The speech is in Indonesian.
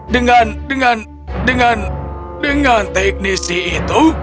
dengan dengan dengan dengan teknisi itu